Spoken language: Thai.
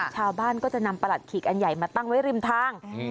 ชาวบ้านก็จะนำประหลัดขีกอันใหญ่มาตั้งไว้ริมทาง